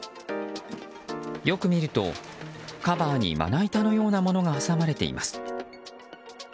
よく見ると、カバーにまな板のようなものが挟まれています。